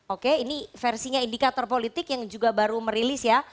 oke ini versinya indikator politik yang juga baru merilis ya